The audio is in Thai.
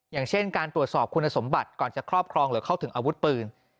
อย่างเช่นการตรวจสอบคุณสมบัติก่อนจะครอบครองหรือเข้าถึงอาวุธปืน